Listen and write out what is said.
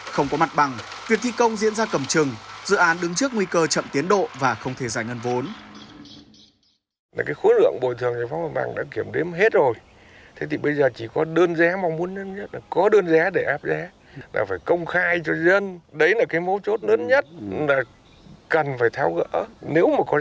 không có mặt bằng việc thi công diễn ra cầm trừng dự án đứng trước nguy cơ chậm tiến độ và không thể giải ngân vốn